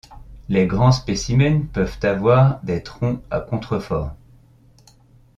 Les grands spécimens peuvent avoir des troncs à contrefort.